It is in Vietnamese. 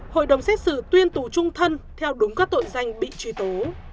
hội đồng xét xử tuyên tù trung thân theo đúng các tội danh bị truy tố